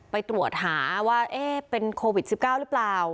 ไปตรวจหาว่าเป็นโควิด๑๙หรือเปล่า